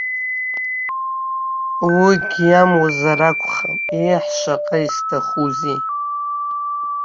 Уигьы иамуазар акәхап, еҳ, шаҟа исҭахузеи!